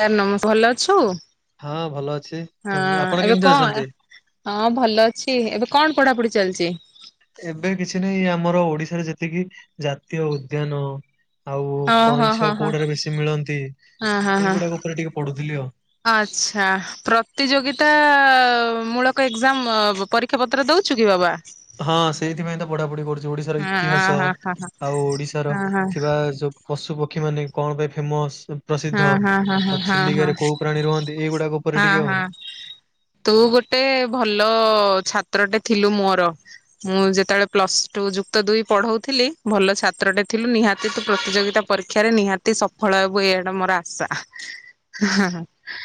ସାର ନମସ୍ ଭଲ ଅଛୁ। ହଁ ଭଲ ଅଛି ହଁ ତମ ଆପଣ ଏବେ କେମିତି କଣ ଅଛନ୍ତି? ହଁ ଭଲ ଅଛି ଏବେ କଣ ପଢାପଢ଼ି ଚାଲିଛି? ଏବେ କିଛି ନାହିଁ ଆମର ଓଡିଶାରେ ଯେତିକି ଜାତୀୟ ଉଦ୍ୟାନ ଆଉ ହଁ ହଁ କଇଁଛୁଆ ହଁ ହଁ କୋଉଟାରେ ବେଶୀ ମିଳନ୍ତି ହଁ ହଁ ହଁ ଏଇଗୁଡାକ ଉପରେ ଟିକେ ପଡୁଥିଲି ଆଉ। ଆଚ୍ଛା ପ୍ରତିଯୋଗିତା ମୂଳକ ଏକ୍ଜାମ ପରୀକ୍ଷା ପତ୍ର ଦଉଛୁ କି ବାବା ହଁ ସେଇଥିପ ତ ପଢାପଢି କରୁ। ଯୋଉ ଓଡିଶାର ହଁ ଇତିହାସ ହଁ ହଁ ଆଉ ଓଡିଶାର ହଁ ହଁ ଥିବା ଯୋଉ ପଶୁପକ୍ଷୀମାନେ କଣ ପାଇଁ ଫେମସ୍। ହଁ ହଁ ହଁ ହଁ ହଁ ହଁ କୋଉ ପ୍ରାଣୀ ରୁହନ୍ତି ଏଇଗୁଡାକ ଉପରେ ହଁ ଟିକେ ଆଉ। ହଁ ତୁ ଗୋଟେ ଭଲ ଛାତ୍ରଟେ ଥିଲୁ ମୋର ମୁଁ ଯେତେବେଳେ ପ୍ଲସ ଟୁ ଯୁକ୍ତ ଦୁଇ ପଢଉଥିଲି। ଭଲ ଛାତ୍ରଟେ ଥିଲୁ ନିହାତି ତୁ ପ୍ରତିଯୋଗିତା ପରୀକ୍ଷାରେ ନିହାତି ସଫଳ ହେବୁ। ଏଇ ମୋର ଆଶା।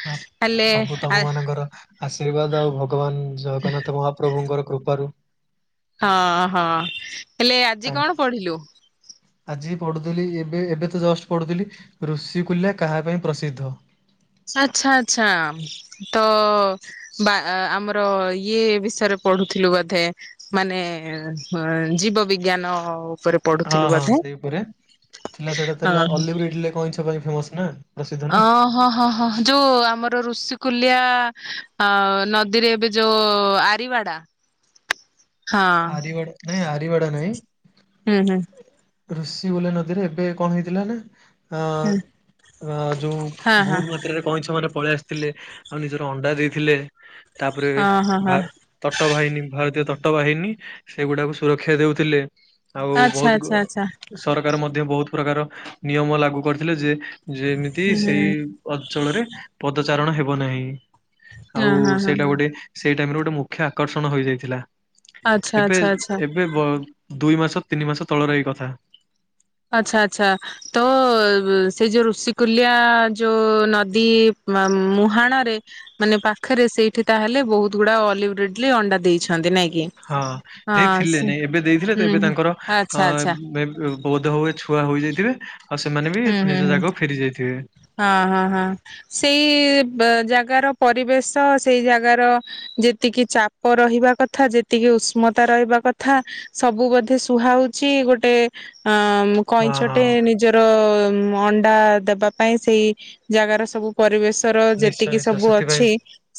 ହ ହେଲେ ସବୁ ଆ ତମ ମାନଙ୍କର ଆଶୀର୍ବାଦ ଆଉ ଭଗବାନ ଜଗନ୍ନାଥ ମହାପ୍ରଭୁଙ୍କର କୃପାରୁ ହଁ ହଁ। ହେଲେ ଆଜି ତାଙ୍କ କଣ ପଢିଲୁ। ଆଜି ପଢୁଥିଲି ଏବେ ଏବେ ତ ଜଷ୍ଟ ପଢୁଥିଲି। ଋଷିକୁଲ୍ୟା କାହା ପାଇଁ ପ୍ରସିଦ୍ଧ। ଆଛା ଆଛା ତ ବା ଆମର ଇଏ ବିଷୟରେ ପଢୁଥିଲୁ ବୋଧେ? ମାନେ ଜୀବ ବିିଜ୍ଞାନ। ହଁ ହଁ ସେଇ ଉପରେ ଥିଲା ସେଇଟା ଥିଲା ଅଲିବ୍ରିଡ କଇଁଛ ପାଇଁ ଫେମସ। ନା। ପ୍ରସିଦ୍ଧ ନା। ଓହଁ ହଁ ହଁ ଯୋଉ ଆମର ଋଷି କୁଲିଆ ଆ ନଦୀରେ ଏବେ ଯୋଉ ଆରିିବାଡା। ଆରି ଗଡ ନାଇଁ ଆରିବାଡା ନାଇଁ। ହୁଁ ହୁଁ। ଋଷି ବୋଲେ ନଦୀରେ ଏବେ କଣ ହେଇଥିଲା ନା ହୁଁ ଅ ଯୋଉ ହଁ ହଁ ବହୁତ ମାତ୍ରାରେ କଇଁଛ ମାନେ ପଳେଇ ଆସି ଥିଲେ ଆଉ ନିଜର ଅଣ୍ଡା ଦେଇଥିଲେ। ତାପରେ ଓହୋ ହଁ ତଟବାହିନୀ ଭାରତୀୟ ତଟ ବାହିନୀ ସେଗୁଡାକୁ ସୁରକ୍ଷା ଦଉଥିଲେ। ଆଉ ଆଚ୍ଛା ଆଚ୍ଛା ବହୁତ ଆଚ୍ଛା ସରକାର ମଧ୍ୟ ବହୁତ ପ୍ରକାର ନିୟମ ଲାଗୁ କରିଥିଲେ ଯେ ଯେମିତି ହୁଁ ସେଇ ହଁ ଅଞ୍ଚଳରେ ପଦ ଉଚ୍ଚାରଣ ହେବ ନାହିଁ। ଆଉ ହଁ ହଁ ସେଇଟା ହଁ ଗୋଟେ ସେଇ ଟାମରେ ଗୋ ମୁଖ୍ୟ ଆକର୍ଷଣ ହୋଇଯାଇଥିଲା। ଆଚ୍ଛା ଏବେ ଆଚ୍ଛା ଆଚ୍ଛା ଏବେ ଦୁଇ ମାସ ତିନି ମାସ ତଳର ଏଇ କଥା। ଆଚ୍ଛା ଆଚ୍ଛା ତ ସେଇଯୋଉ ଋଷକୁଲିଆ ଯୋଉ ନଦୀ ମୁହାଣରେ ମାନେ ପାଖରେ ସେଇଠି ତା ହେଲେ ବହୁତ ଗୁଡା ଅଲିିବ୍ରିଡଲି ଅଣ୍ଡା ଦେଇଛନ୍ତି ନାଇଁ। କି? ହଁ ହଁ ଦେଇଥିଲେ ସେ ନାଇଁ ଏବେ ଦେଇଥିଲେ। ତ ହୁଁ ଏବେ ହୁଁ ତାଙ୍କର ଆଚ୍ଛା ଆଚ୍ଛା ଅ ବହୁ ହୁଏ ଛୁଆ ହୋଇ ଯାଇଥିବେ। ହୁଁ ହୁଁ ହୁଁ ହଁ ହଁ ହଁ ସେଇ ଜାଗାର ପରିବେଶ ସେଇ ଜାଗାର ଯେତିକି ଚାପ ରହିବା କଥା ଯେତିକି ଉଷ୍ମତା ରହିବା କଥା ସବୁ ବୋଧେ ସୁହା ହଉଛି ଗୋଟେ ଅ ହଁ ହଁ କଇଁଛଟେ ନିଜ ଅଣ୍ଡା ଦେବା ପାଇଁ ସେଇ ଜାଗାର ସବୁ ପରିବେଶ ନିଶ୍ଚୟ ଯେତିକି ନିଶ୍ଚୟ ସବୁ ସେଥିପାଇଁ ଅଛି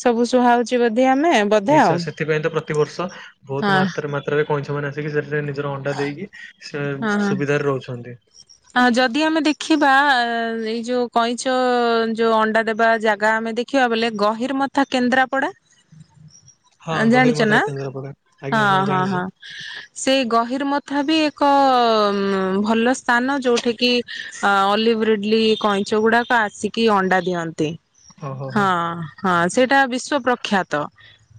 ସବୁ ସୁହାଉଛି ବଧେ ଆମେ ବଧେ ନିଶ୍ଚୟ ଆଉ ସେଥିପାଇଁ ତ ପ୍ରତିବର୍ଷ ବହୁତ ହଁ। ମାତ୍ରା ମାତ୍ରାରେ କଇଁଛ ଆସିକି ସେଥିରେ ନିଜର ଅଣ୍ଡା ଦେଇକି ସେ ହଁ ହଁ ସୁବିଧାରେ ରହୁଛନ୍ତି। ଖିବା ଏଇ ଯୋଉ କଇଁଚ ଯୋଉ ଅଣ୍ଡା ଦେବା ଜାଗା ଆମେ ଦେଖିବା ବଲେ ଗହିରମଥା କେନ୍ଦ୍ରାପଡା ହଁ ଗହିର ଜାଣିଛ ମଧୁରା ନା କେନ୍ଦ୍ରାପଡା ଆଜ୍ଞା ହଁ ହଁ ଜାଣିଛି ହଁ ସେଇ ଗହି ତଥାପି ଏକ ଭଲ ସ୍ଥାନ ଯୋଉଠି କିି ଅଲିଭ୍ରିଡଲି କଇଁଚ ଗୁଡାକ ଆସିକି ଅଣ୍ଡା ଦିଅନ୍ତି। ହଉ ହଁ ହଉ ହଁ ସେଇଟା ବିଶ୍ୱ ପ୍ର ଖ୍ୟାତ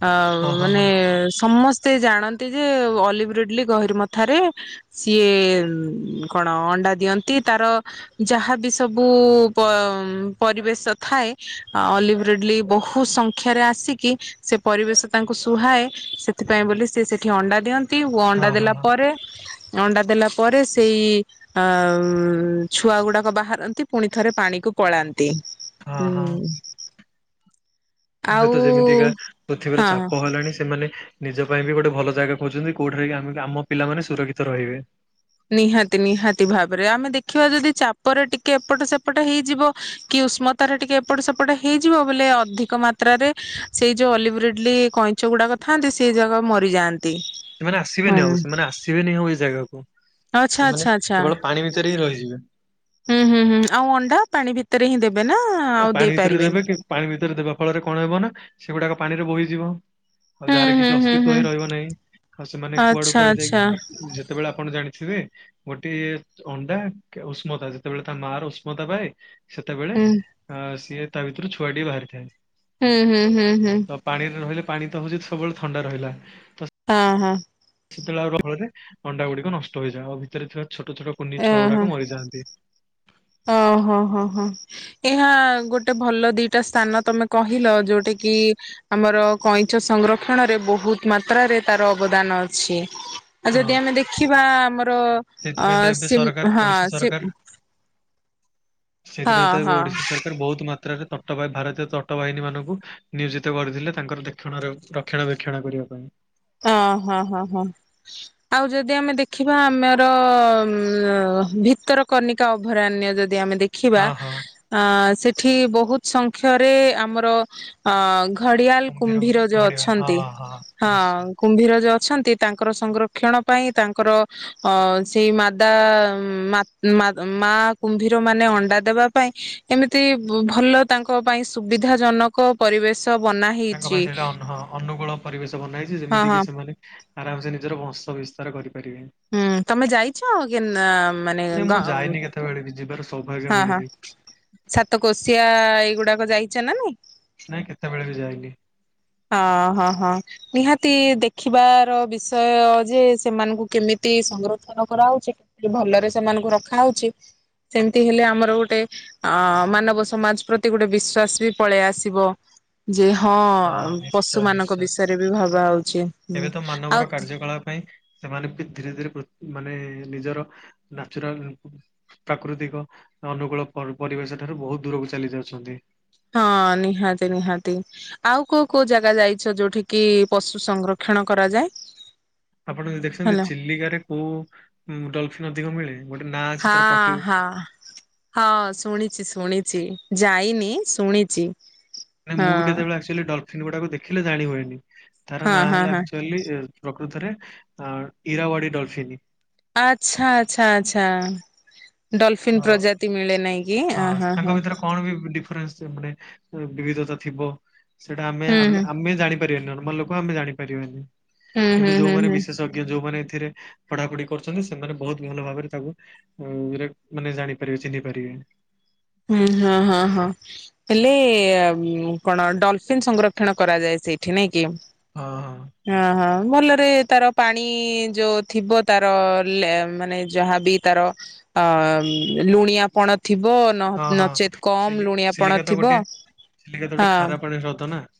ଅ ହଉ ହଁ ମାନେ ହଁ ସମସ୍ତେ ସେ ଜାଣନ୍ତି ଯେ ଅଲିଭରେଡଲି ଗହରୀମଥା ଥାରେ ସିଏ କଣ ଅଣ୍ଡା ଦିଅନ୍ତି। ତାର ଯାହାବି ସବୁ ପରିବେଶ ଥାଏ ଅଲିଭ୍ରିଡଲି ବହୁ ସଂଖ୍ୟାରେ ଆସିକି ସେ ପରିବେଶ ତାଙ୍କୁ ସୁହାଏ ସେଥିପାଇଁ ବୋଲି ସେସେଠି ଅଣ୍ଡା ଦିଅନ୍ତି। ହଁ ଅଣ୍ଡା ହଁ ଦେଲା ହଁ ଅଣ୍ଡା ଦେଲା ପରେ ସେଇ ଅ ଛୁଆ ଗୁଡାକ ବାହାରନ୍ତି ପୁଣି ଥରେ ପାଣିକୁ ପଳାନ୍ତି। ହଁ ହଁ ହୁଁ। ହଁ ଏବେ ଆଉ ତ ଯେମିତିକା ପୃଥିବୀର ହଁ ଚାପ ହେଲାଣି ସେମାନେ ନିଜ ପାଇଁ ବି ଗୋଟେ ଭଲ ଜାଗା ଖୋଜଛନ୍ତି କୋଉଠାରେ ଆ ଆମ ପିଲାମାନେ ସୁରକ୍ଷିତ ରହିବେ। ନିହାତି ନିହାତି ଭାବରେ ଆମେ ଦେଖିବା ଯଦି ଚାପର ଟିକେ ଏପଟ ସେପଟ ହେଇଯିବ କି ଉଷ୍ମତାରେ ଟିକେ ଏପଟ ସେପଟ ହେଇଯିବ ବୋଲେ ଅଧିକ ମାତ୍ରାରେ ସେଇ ଯୋଉ ଅଲିଭ୍ରିଡଲି କଇଁଚ ଗୁଡାକ ଥାନ୍ତି ସେ ଜଗାରେ ମରିଯାଆନ୍ତି। ସେମାନେ ହୁଁ। ଆସିବେନି ଆଉ ସେମାନେ ଆସିବେନି ଆଉ ଏଇ ଜାଗାକୁ। ଆଚ୍ଛା ଆଚ୍ଛା ସେମାନେ ଆଚ୍ଛା କେବଳ ପାଣି ଭିତରେ ହିଁ ରହିଯିବେ। ହୁଁ ହୁଁ ହୁଁ ଆଉ ଅଣ୍ଡା ପାଣି ଭିତରେ ହିଁ ଦେବେ ନା ଆଉ ପାଣି ଭିତରେ ଦେଇପାରିବେନି। ଦେବେ କି ପାଣି ଭିତରେ ଦେବା ଫଳରେ କଣ ହବ ନା। ସେଗୁଡାକ ପାଣି ରେ ବୋହିଯିବ। ଆଉ ହୁଁ ଯାହାର କିଛି ହୁଁ ହୁଁ ଅସ୍ତିତ୍ଵ ହୁଁ ହିଁ ରହିବ ନାହିଁ ଆଉ ସେମାନେ କୁଆଡେ ଆଚ୍ଛା କୁଆଡେ ଯାଇ ଆଚ୍ଛା ଯେତେବେଳେ ଆପଣ ଜାଣି। ରେ ଗୋଟେ ଅଣ୍ଡା ଉଷ୍ମତା ଯେତେବେଳେ ତା ମା ର ଉଷ୍ମତା ପାଏ। ସେତେବେଳେ ହୁଁ ଆ ସିଏ ତା ଭିତରୁ ଛୁଆଟି ବି ବାହାରିଥାନ୍ତି। ହୁଁ ହୁଁ ହୁଁ ହୁଁ। ରହିଲେ ପାଣି ତ ହେଉଛି ସବୁବେଳେ ଥଣ୍ଡା ରହିଲା ତ ହଁ ହଁ। ସେତେବେଳେ [unintelligible] ଅଣ୍ଡା ଗୁଡିକ ନଷ୍ଟ ହେଇଯାଏ ଆଉ ଭିତରେ ଥିବା। ଛୋଟ ଛୋଟ କୁନି ଛୁଆ ଓହୋ ଗୁଡ଼ାକ ମରିଯାଆନ୍ତି। ଓହୋ ହଁ ହଁ ହୋ ଏହା ଗୋଟେ ଭଲ ଦିଟା ସ୍ଥାନ ତମେ କହିଲ ଯୋଉଁଟା କି ଆମର କଇଁଛ ସଂରକ୍ଷଣରେ ବହୁତ ମାତ୍ରାରେ ତାର ଅବଦାନ ଅଛି। ଆଉ ହଁ ଯଦି ଆମେ ଦେଖିବା ଆମର ଅ ସେଥିପାଇଁ ତ ଏବେ ସି ସରକାର ହଁ ଓଡିଶା ସି ସେଇଥିପାଇଁ ତ ଏବେ ଓଡିଶା ସରକାର ବହୁତ ମାତ୍ରାରେ ତଟ ଭାରତୀୟ ତଟ ବାହିନୀ ମାନଙ୍କୁ ନିୟୋଜିତ କରିଥିଲେ ତାଙ୍କର ଦେକ୍ଷଣ ରକ୍ଷଣ ବେକ୍ଷଣା କରିବା ପାଇଁ। ଅ ହଁ ହଁ ହଁ ଆଉ ଯଦି ଆମେ ଦେଖିବା ଆମର ଉ ଭିତରକନିକା ଅଭୟାରଣ୍ୟ ଯଦି ଯଦି ଆମେ ଦେଖିବା ହଁ ହଁ ଆଁ ସେଠି ବହୁତ୍ ସ କ୍ଷରେ ଆମର ଅ ଘଡ଼ିଆଲ ମାନେ, କୁମ୍ଭୀର ଯୋଉଁ ଘଡିଆଳ ଅଛନ୍ତି। ହଁ ହଁ ନିଶ୍ଚୟ। କୁମ୍ଭୀର ଯ ଅଛନ୍ତି ତାଙ୍କର ସଂରକ୍ଷଣ ପାଇଁ ତାଙ୍କର ଅ ସେଇ ମାଦା ମା ମା କୁମ୍ଭୀର ମାନେ ଅଣ୍ଡା ଦେବା ପାଇଁ ଏମିତି ଭଲ ତାଙ୍କ ପାଇଁ ସୁବିଧା ଜନକ ପରିବେଶ ବନା ତାଙ୍କ ହେଇଛି ପାଇଁ ସେଇଟା ଅନ ଅନୁକୂଳ ପରିବେଶ ବନାହେଇଛି। ହଁ ଯେମିତି କି ହଁ ସେମାନେ ଆରାମ ସେ ନିଜର ବଂଶ ବିସ୍ତାର କରିବେ। ହୁଁ ତମେ ଯାଇଛ କେ ମାନେ ନାଇଁ ଗା ମୁଁ ଯାଇନି କେତେବେଳେ ବି ଯିବାର ସୌଭାଗ୍ୟ ହଁ ହଁ ମିଳିନି ସାତକୋଶିଆ ଏଇଗୁଡ଼ାକ ଯାଇଚ ନାଁ ନାଇଁ? ନାଇଁ କେତେବେଳେ ବି ଯାଇନି। ହଁ ହଁ ହଁ ନିହାତି ଦେଖିବାର ବିଷୟ ଯେ ସେମାନଙ୍କୁ କେମିତି ସଂରକ୍ଷଣ କରାହେଉଛି। ଭଲରେ ସେମାନଙ୍କୁ ରଖାହଉଛି ସେମିତି ହେଲେ ଆମର ଗୋଟେ ଅ ମାନବ ସମାଜ ପ୍ରତି ଗୋଟେ ବିଶ୍ଵାସ ବି ପଳେଇ ଆସିବ ଯେ ହଁ। ପଶୁ ନିଶ୍ଚୟ ମାନଙ୍କ ନିଶ୍ଚୟ। ବିଷୟରେ ବି ଭାବା ହଉଛି ଉଁ ଏବେ ତ ମାନବର ଆଉ କାର୍ଯ୍ୟକଳାପ ପାଇଁ ସେମାନେ ବି ଧୀରେ ଧୀରେ ମାନେ ନିଜର ନାଚୁରାଲ୍ ପ୍ରାକୃତିକ ଅନୁକୂଳ ପରିବେଶ ଠାରୁ ବହୁତ ଦୂରକୁ ଚାଲି ଯାଉଛନ୍ତି। ହଁ ନିହାତି ନିହାତି ଆଉ କୋଉଁ କୋଉଁ ଜାଗା ଯାଇଛ ଯୋଉଠି କିି ପଶୁ ସଂରକ୍ଷଣ କରାଯାଏ? ଆପଣ ଯ ଦେଖୁଛନ୍ତି ହେଲା। ଚିଲିକାରେ କୋଉଁ ଡଲ [unintelligible] ଅଧିକ ମିଳେ। ଗୋଟେ ନାଁ ଅଛି ତାର ହଁ ପଟି ହଁ ହଁ ଶୁଣିଛି ଶୁଣି ଚି ଯାଇନି ଶୁଣିଚି। ମୁଁ ବି କେତେବେଳେ ଆସିଲି ଡ଼ ସେ ଗୁଡ଼ାକୁ ଦେଖିଲେ ଜାଣି ହୁଏନି। ତାର ହଁ ନା ହଁ ହେଲା ହଁ ଆକ୍ଚୁଏଲି ଇ ପ୍ରକୃତରେ ଅଂ ଇରାୱାଡି ଡ଼ଲଫିନ। ଆଚ୍ଛା ଆଚ୍ଛା ଆଚ୍ଛା। ତ ଡଲଫିନ୍ ପ୍ରଜାତି ମିଳେ ନାଇଁ କି ଇଏ ହଁ ହଁ ହଁ। [unintelligible] ସେମାନେ ବିବିଧତା ଥିବ। ସେଇଟା ଆମେ ହୁଁ ହୁଁ ଆମେ ଜାଣି ନର୍ମାଲଲୋକ ଆମେ ଜଣିପାରିବାନି । କିନ୍ତୁ ହୁଁ ହୁଁ ହୁଁ ଯୋଉମାନେ ହୁଁ। ବିଶେଷଜ୍ଞ ଯୋଉମାନେ ଏଥିରେ ପଢାପଢି କରୁଛନ୍ତି ସେମାନେ ବହୁତ ଭଲ ଭାବରେ ତାକୁ ମାନେ ଜାଣିପାରିବେ ଚିହ୍ନି ପାରିବେ। ହୁଁ ହଁ ହଁ ହଁ ହେଲେ କଣ ଡଲଫିନ୍ ସଂରକ୍ଷଣ କରାଯାଏ ସେଇଠି ନାଇଁ? [inaudible] ହଁ ହଁ ହୁଁ ହୁଁ। ମଲରେ ତାର ପାଣି ଯୋଉ ଥିବ ତାର ମାନେ ଯାହାବ ତାର ଲୁଣିଆ ପଣ ଥିବ ନ ହଁ ହଁ ନଚେତ୍ କମ ଲୁଣିଆପଣ ଚିଲିକା ତ ଥିବ ଗୋଟେ ଚିଲିକା ତ ଗୋଟେ ହଁ। ଖାରା ପାଣି ହ୍ରଦ ନା ।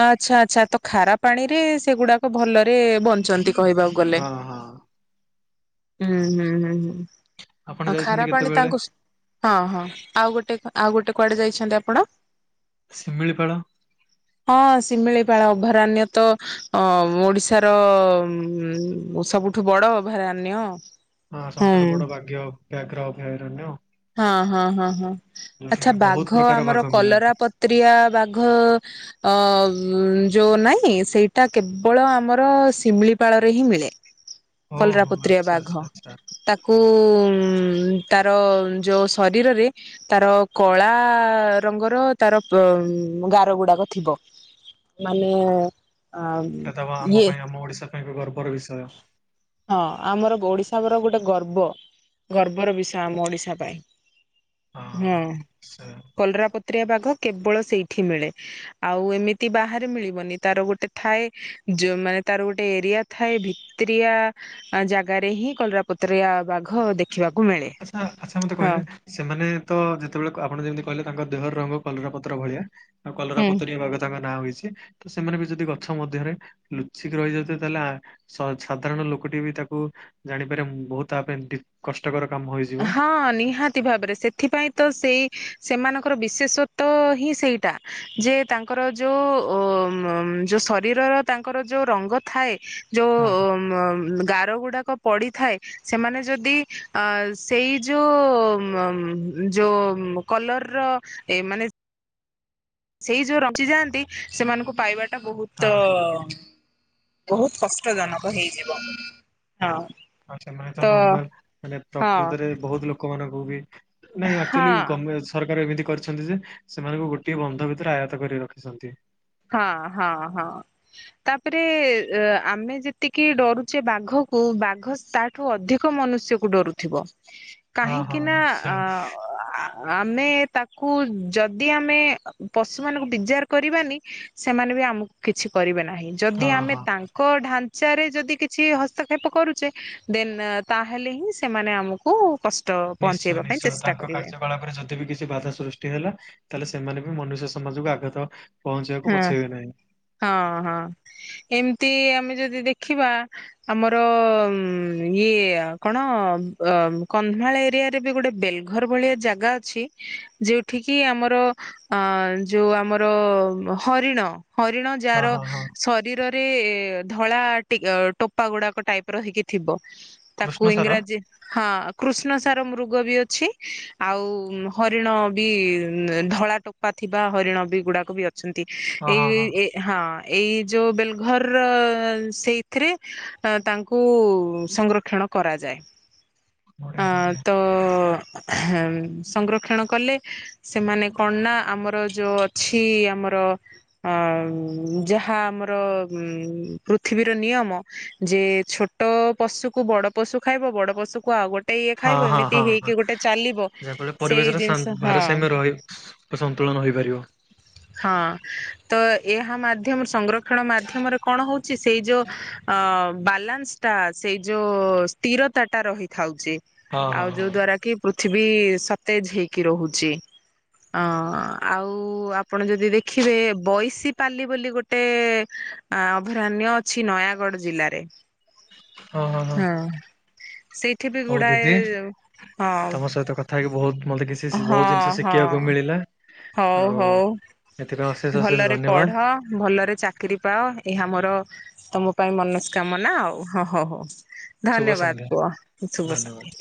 ଆଚ୍ଛା ଆଚ୍ଛା ତ ଖାରା ପାଣି ରେ ସେଗୁଡାକ ଭଲରେ ବଞ୍ଚନ୍ତି । କହିବାକୁ ଗଲେ ହଁ ହଁ [inaudible] ହୁଁ ହୁଁ ହୁଁ। ଆପଣ ହ ଯାଇଛନ୍ତି ଖାରପ ପାଣି କେତେବେଳେ? ତାଙ୍କୁ ହଁ ହଁ ଆଉ ଗୋଟେ ଆଉ ଗୋଟେ କୁଆଡେ ଯାଇଛନ୍ତି ଆପଣ? ଶିମିଳିପାଳ ହଁ ଶିମିଳିପାଳ ଅଭୟାରଣ୍ୟ ତ ଅ ଓଡିଶାର ସବୁଠୁ ବଡ ଅଭୟାରଣ୍ୟ । ହଁ ସବୁଠାରୁ ବଡ ବାଗ୍ୟ ବ୍ୟାଘ୍ର ଅଭୟାରଣ୍ୟ ହଁ ହଁ ହଁ ହଁ ଆଚ୍ଛା ଯୋଉଠିକି ବହୁତ ବାଘ ପ୍ରକାର ଆମର ବାଘ ମିଳନ୍ତି। କଲରା ପତ୍ରିଆ ବାଘ ଅ ଅ ଯୋଉଁ ନାହିଁ ସେଇଟା କେବଳ ଆମର ଶିମିଳିପାଳରେ ହିଁ ମିଳେ । ଓହୋ କଲରାପତ୍ରିଆ ଆଚ୍ଛା ବାଘ ଆଚ୍ଛା ଆଚ୍ଛା। ତାକୁ ଉଁ ମ୍ ମ୍ ଉଁ ତାର ଯୋଉ ଶରୀରରେ ତାର କଳା ରଙ୍ଗର ତାର ଗାର ଗୁଡାକ ଥିବ ମାନେ [inaudible] ଇଏ ତାଙ୍କ ଗର୍ବର ବିଷୟ । ହଁ ଆମର ଓଡିଶାର ଗୋଟେ ଗର୍ବ ଗର୍ବର ବିଷୟ ଆମ ଓଡିଶା ପାଇଁ ହଁ । ସେ ହୁଁ କଲରାପ ତ୍ରିଆ ବାଘ କେବଳ ସେଇଠି ମିଳେ ଆଉ ଏମିତି ବାହାରେ ମିଳିବନି ତାର ଗୋଟେ ଥାଏ ଜମା ତାର ଗୋଟେ ଏରିଆ ଥାଏ ଭିତ୍ରିଆ ଆ ଜାଗାରେ ହିଁ କଲରାପତରିଆ ବାଘ ଦେ ଆଚ୍ଛା ଆଚ୍ଛା ମତେ କହିବେ ସେମାନେ ତ ଯେତେବେଳକୁ ଆପଣ ଯେମିତି କହିଲେ ତାଙ୍କ ଦେହ ରଙ୍ଗ କଲରା ପତ୍ର ଭଳିଆ ଆଉ ହୁଁ। କଲରା ପତରୀ ବାଘ ତାଙ୍କ ନାଁ ହୋଇଛି। ତ ସେମାନେ ବି ଯଦି ଗଛ ମଧ୍ୟରେ ଲୁଚିକି ରହିଯାଉଥାଏ ତାହେଲେ ଆ ସ ସାଧାରଣ ଲୋକଟିଏ ବି ତାକୁ ଜାଣିପାରେ ବହୁତ ତା ପାଇଁ କଷ୍ଟକର କାମ ହୋଇଯିବ। ହଁ ନିହାତି ଭାବରେ ସେଥିପାଇଁ ତ ସେଇ ସେମାନଙ୍କର ବିଶେଷତ୍ତ ହିଁ ସେଇଟା ଯେ ତାଙ୍କର ଯୋଉ ଅ ଯୋଉ ଶରୀରର ତାଙ୍କର ଯୋଉ ରଙ୍ଗ ଥାଏ ହଁ ହଁ ଯୋଉ ଗାର ଗୋ ଡ଼ାକ ପଡ଼ିଥାଏ ସେମାନେ ଯଦି ଆ ସେଇ ଯଉ ମ-ମ ଯୋଉ ମ କଲର ର ଏ ମାନେ ସେଇ ଯୋଉ ରଞ୍ଚିଯାଆନ୍ତି ସେମାନଙ୍କୁ ପାଇବା ଏ ବହୁତ ହଁ ବହୁତ କଷ୍ଟଜନକ ହେଇଯିବ। ହଁ ଆଉ ସେମାନେ ତ ନର୍ମାଲ ମାନେ ହଁ ପ୍ରକୃତରେ ବହୁତ ଲୋକମାନଙ୍କୁ ବି ନାଇଁ ଆକ୍ଚୁଲି ହଁ ଗମେ ସରକାର ଏମିତି କରିଛନ୍ତି ଯେ ସେମାନଙ୍କୁ ଗୋଟିଏ ବନ୍ଧ ଭିତରେ ଆୟତ କରି ରଖିଛନ୍ତି। ହଁ ହଁ ହଁ ତାପରେ ଏ ଆମେ ଯେତିକି ଡରୁଛେ ବାଘକୁ ବାଘ ତାଠୁ ଅଧିକ ମନୁଷ୍ୟକୁ ଡରୁଥିବ। ହଁ ହଁ କାହିଁକି ନା ନିଶ୍ଚୟ ଅ-ଆ ଆମେ ତାକୁ ଯଦି ଆମେ ପଶୁମାନଙ୍କୁ ବିଜାର କରିବାନି ସେମାନେ ବି ଆମକୁ କିଛି କରିବେନି। ନାଇ ଯଦି ହଁ ଆମେ ହଁ। ତାଙ୍କ ଢା ଚାରେ ଯଦି କିଛି ହସ୍ତକ୍ଷେପ କରୁଛେ ଦେନ୍ ତାହେଲେ ହିଁ ସେମାନେ ଆମକୁ କଷ୍ଟ ନିଶ୍ଚୟ ପହଞ୍ଚେଇବା ପାଇଁ ନିଶ୍ଚୟ, ଚେଷ୍ଟା ତାଙ୍କ କରିବେ କାର୍ଯ୍ୟକଳାପରେ ଯଦି ବିି କିଛି ବାଧା ସୃଷ୍ଟି ହେଲା ତାହେଲେ ସେମାନେ ବି ମନୁଷ୍ୟ ସମାଜକୁ ଆଘତ ହଁ ହଁ ହଁ। ଏମିତି ଆମେ ଯଦି ଦେଖିବା ଆମର ମ-ମ ଇଏ କଣ ବ କନ୍ଧମାଳ ଏରିଆରେ ବି ଗୋଟେ ବେଲ୍‌ଘର ଭଳିଆ ଜାଗା ଅଛି ଯୋଉଠିକି ଆମର ଆ ଯଉ ଆମର ହରିଣ । ହରିଣ ହଁ ଯାର ହଁ ହଁ ଶରୀରରେ ରେ ଧଳା ଟି ଟୋପା ଗୁଡ଼ାକ ଟାଇପ୍ ର ହେଇକି ଥିବ। କୃଷ୍ଣ ତାକୁ ସାର ଇଂରାଜୀ ହଁ କୃଷ୍ଣଶା ସାର ମୃଗ ବି ଅଛି ଆଉ ଉମ ହରିଣ ବି ଧଳା ଟୋପା ଥିବା ହରିଣ ବି ଗୁଡ଼ାକ ବି ଅ ଛନ୍ତି ହଁ ହଁ ଏଇ ଏ ହଁ ଏଇ ଯୋଉ ବେଲଘର ସେଇଥିରେ ତାଙ୍କୁ ସଂରକ୍ଷଣ କରାଯାଏ। ବଢିଆ ହଁ ବଢିଆ। ତ ହ ସଂରକ୍ଷଣ କଲେ ସେମାନେ କଣ ନା ଆମର ଯୋଉ ଅଛି ଆମର ଯାହା ଆମର ଉ ପୃଥିବୀର ନିୟମ ଯେ ଛୋ ହଁ ହଁ ହଁ ଯାହାଫଳରେ ସେଇ ପରିବେଶର ଜିନିଷ ସନ୍ତୁ ହଁ ଭାରସାମ୍ୟ ରହି ସନ୍ତୁଳନ ରହିପାରିବ। ହଁ ତ ଏହା ମାଧ୍ୟମ ସଂରକ୍ଷଣ ମାଧ୍ୟମରେ କଣ ହଉଛି ସେଇ ଯୋଉ ଅ ବାଲାନ୍ସ ଟା ସେଇ ଯୋଉ ସ୍ଥିରତା ଟା ରହିଥାଉଛି। ହଁ ହଁ ଆଉ ହଁ ଯୋଉ ଦ୍ଵାରା କି ପୃ ଥିବି ସତେଜ ହେଇକି ରହୁଛି ଅ-ଅ-ଆଉ ଆପଣ ଯଦି ଦେଖିବେ ବଇଶପାଲି ବୋଲି ଗୋଟେ ଅଭୟାରଣ ଅଛି ନୟାଗଡ ଜିଲ୍ଲାରେ। ହଁ ହଁ ହଁ ସେଇଠି ବି ହଉ ଗୁଡାଏ ଦିଦି, ହଁ ତମ ସହିତ କଥା ହେଇକି ବହୁତ ମତେ କିଛି ଶି ବହୁତ ହଁ ଜିନିଷ ଶିଖିବାକୁ ହଁ ମିଳିଲା। ହଉ ଆଉ ହଉ ଏଥିପାଇଁ ଅଶେଷ ଅଶେଷ ଭଲରେ ପଢ ଧନ୍ୟବାଦ ଭଲରେ ଚାକିରି ପାଅ। ଏହା ମୋର ତମ ପାଇଁ ମନସ୍କାମନା ଆଉ ହଁ ହ ହଉ। ଶୁଭ ଧନ୍ୟବାଦ ସନ୍ଧ୍ୟା କୁହ ଶୁଭ ଧନ୍ୟବାଦ। ସନ୍ଧ୍ୟା।